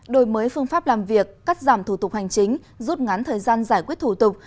đổi mới phương pháp làm việc cắt giảm thủ tục hành chính rút ngắn thời gian giải quyết thủ tục